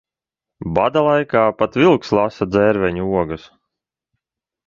Bada laikā pat vilks lasa dzērveņu ogas.